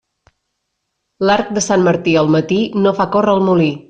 L'arc de Sant Martí al matí no fa córrer el molí.